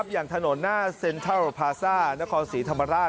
อย่างถนนหน้าเซ็นทรัลพาซ่านครศรีธรรมราช